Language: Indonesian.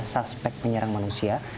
suspek menyerang manusia